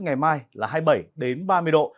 ngày mai là hai mươi bảy ba mươi độ